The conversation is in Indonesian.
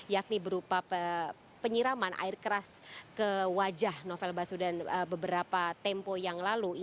yakni berupa penyiraman air keras ke wajah novel baswedan beberapa tempo yang lalu